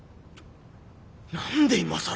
何で今更！